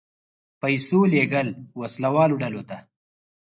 پیسو لېږل وسله والو ډلو ته.